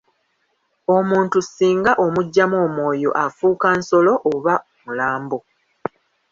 Omuntu singa omuggyamu omwoyo afuuka nsolo oba mulambo.